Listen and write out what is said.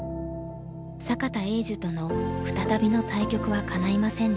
坂田栄寿との再びの対局はかないませんでした。